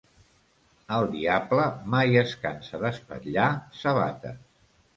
El diable mai es cansa d'espatllar sabates.